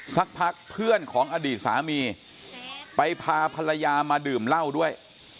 สักพักเพื่อนของอดีตสามีไปพาภรรยามาดื่มเหล้าด้วย